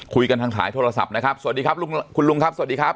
คุยกันทางสายโทรศัพท์นะครับสวัสดีครับลุงคุณลุงครับสวัสดีครับ